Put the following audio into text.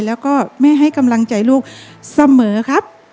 แล้วก็แม่ให้กำลังใจลูกเสมอครับ